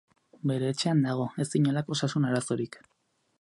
Bere etxean dago, ez du inolako osasun arazorik.